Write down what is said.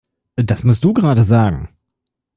Das musst du gerade sagen!